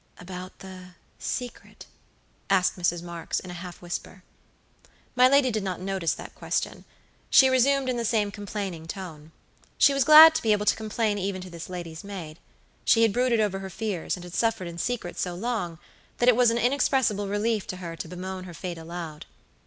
"About thesecret?" asked Mrs. Marks, in a half whisper. My lady did not notice that question. She resumed in the same complaining tone. She was glad to be able to complain even to this lady's maid. She had brooded over her fears, and had suffered in secret so long, that it was an inexpressible relief to her to bemoan her fate aloud.